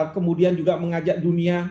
kemudian juga mengajak dunia